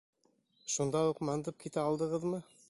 — Шунда уҡ мандып китә алдығыҙмы?